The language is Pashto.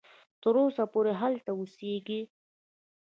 تر اوسه پوري هلته اوسیږي.